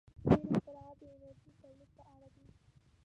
• ډېری اختراعات د انرژۍ د تولید په اړه دي.